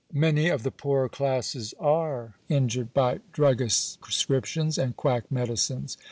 many of the poorer classes are injured by druggists' prescrip tions and quack medicines.